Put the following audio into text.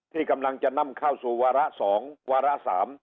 ที่กำนวงจะนำเข้าสู่วคสฝในสภาเหมือนกัน